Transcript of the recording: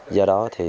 do đó thì